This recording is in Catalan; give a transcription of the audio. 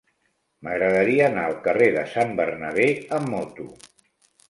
M'agradaria anar al carrer de Sant Bernabé amb moto.